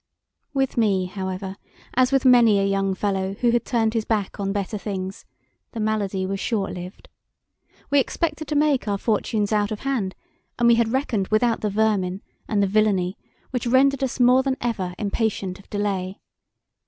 With me, however, as with many a young fellow who had turned his back on better things, the malady was short lived. We expected to make our fortunes out of hand, and we had reckoned without the vermin and the villainy which rendered us more than ever impatient of delay.